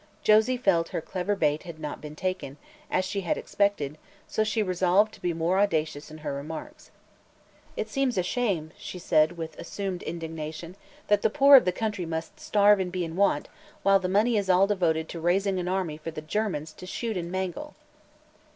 Josie felt her clever bait had not been taken, as she had expected, so she resolved to be more audacious in her remarks. "It seems a shame," she said with assumed indignation, "that the poor of the country must starve and be in want, while the money is all devoted to raising an army for the Germans to shoot and mangle."